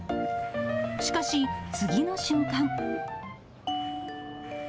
しかし、次の瞬間。